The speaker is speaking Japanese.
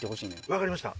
分かりました。